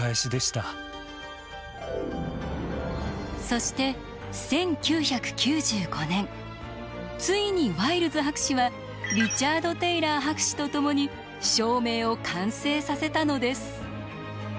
そして１９９５年ついにワイルズ博士はリチャード・テイラー博士と共に証明を完成させたのです。